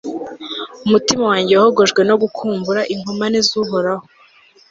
umutima wanjye wahogojwe no gukumbura inkomane z'uhoraho